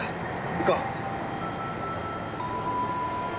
行こう。